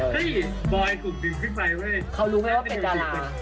เฮ้ยบรอยถูกแบ่งขึ้นไปเว้ยเขารู้ไหมว่าเป็นจานา